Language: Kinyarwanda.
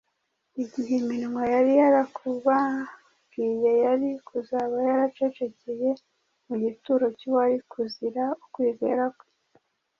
igihe iminwa yari yarakubabwiye yari kuzaba yaracecekeye mu gituro cy’uwari kuzira ukwizera kwe.